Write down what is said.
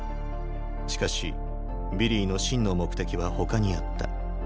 しかしヴィリーの真の目的は他にあった。